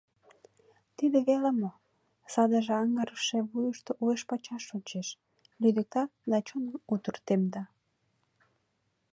Тиде веле мо, садыже аҥыргыше вуйышто уэш-пачаш шочеш, лӱдыкта да чоным утыр темда.